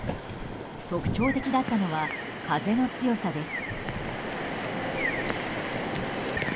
特徴的だったのは風の強さです。